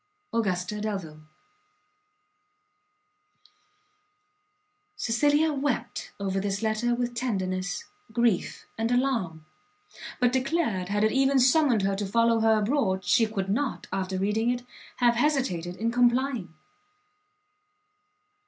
AUGUSTA DELVILE. Cecilia wept over this letter with tenderness, grief and alarm; but declared, had it even summoned her to follow her abroad, she could not, after reading it, have hesitated in complying.